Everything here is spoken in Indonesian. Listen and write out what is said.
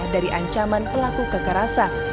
dari ancaman pelaku kekerasan